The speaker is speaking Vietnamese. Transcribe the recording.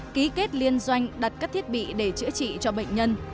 ký kết liên doanh đặt các thiết bị để chữa trị cho bệnh nhân